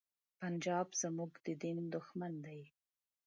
پنجاب زمونږ د دین دښمن دی.